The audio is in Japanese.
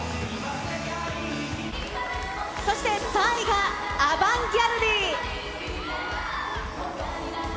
そして３位がアバンギャルディ。